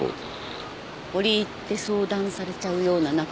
折り入って相談されちゃうような仲なんだ。